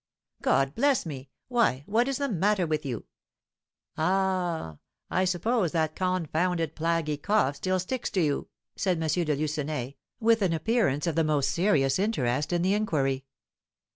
"God bless me! Why, what is the matter with you? Ah! I suppose that confounded plaguy cough still sticks to you," said M. de Lucenay, with an appearance of the most serious interest in the inquiry.